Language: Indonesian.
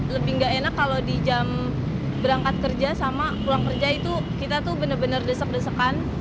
lebih gak enak kalau di jam berangkat kerja sama pulang kerja itu kita tuh bener bener desek desekan